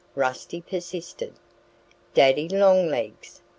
Rusty persisted. "Daddy Longlegs!"